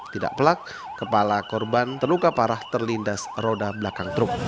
tidak pelak kepala korban terluka parah terlindas roda belakang truk